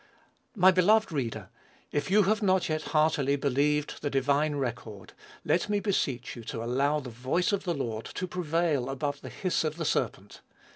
My beloved reader, if you have not yet heartily believed the divine record, let me beseech you to allow "the voice of the Lord" to prevail above the hiss of the serpent.